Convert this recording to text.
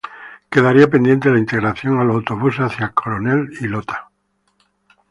Quedaría pendiente la integración a los autobuses hacia Coronel y Lota.